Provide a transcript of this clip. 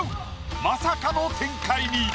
まさかの展開に。